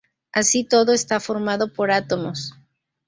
Así, todo está formado por átomos.